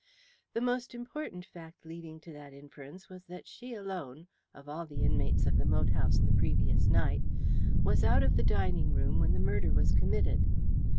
The most important fact leading to that inference was that she alone, of all the inmates of the moat house the previous night, was out of the dining room when the murder was committed.